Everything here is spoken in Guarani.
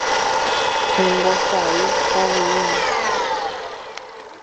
Embosa'y hovyũme.